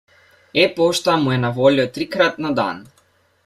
E-pošta mu je na voljo trikrat na dan.